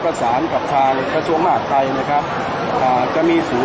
มายื่นต่อทุกวันเสร็จได้ที่ไหนครับอ๋ออย่างนี้ครับ